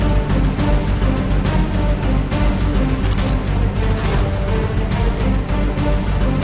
เออไม่เป็นไรหรอก๖โมงป่าแล้วเขาเริ่มวิ่งแล้ว